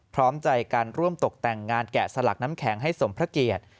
พร้อมใจการร่วมตกแต่งงานแกะสลักน้ำแข็งให้สมพระเกียรติ